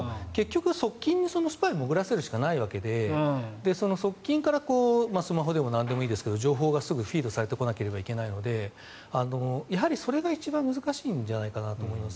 側近にスパイを潜らせるしかないわけで側近からスマホでもなんでもいいですが情報がすぐにフィードされなければいけないのでやはりそれが一番難しいんじゃないかと思います。